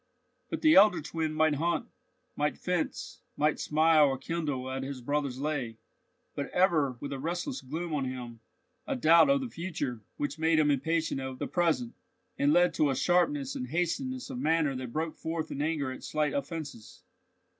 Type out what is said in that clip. But the elder twin might hunt, might fence, might smile or kindle at his brother's lay, but ever with a restless gloom on him, a doubt of the future which made him impatient of the present, and led to a sharpness and hastiness of manner that broke forth in anger at slight offences.